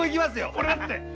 俺だって！